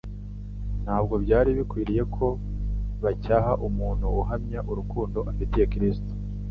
Ntabwo byari bikwiriye ko bacyaha umuntu uhamya urukundo afitiye Kristo.